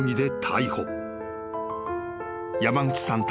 ［山口さん